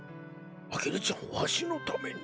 アゲルちゃんわしのために。